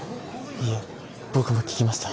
いえ僕も聞きました